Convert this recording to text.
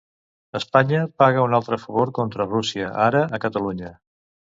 Espanya paga un altre favor contra Rússia, ara a Catalunya.